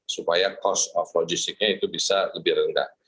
supaya cost of logistiknya itu bisa lebih rendah